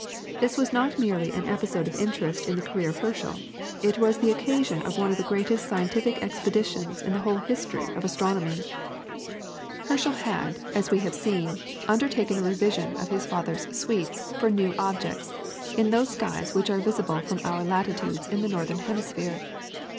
This was not merely an episode of interest in the career of Herschel, it was the occasion of one of the greatest scientific expeditions in the whole history of astronomy. Herschel had, as we have seen, undertaken a revision of his father's "sweeps" for new objects, in those skies which are visible from our latitudes in the northern hemisphere.